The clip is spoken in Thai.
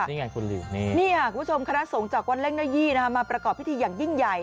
นี่คุณผู้ชมคณะสงฆ์จากวันเร่งหน้ายี่มาประกอบพิธีอย่างยิ่งใหญ่